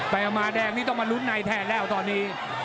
ไปเอามาแดงนี่ต้องมาลุ้นในแทนแล้วตอนนี้